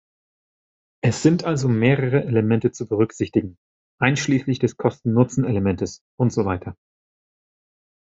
Es sind also mehrere Elemente zu berücksichtigen, einschließlich des Kosten-Nutzen-Elementes, und so weiter.